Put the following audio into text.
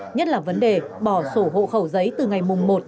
nhất là vấn đề bỏ sổ hộ khẩu giấy từ ngày một một hai nghìn hai mươi ba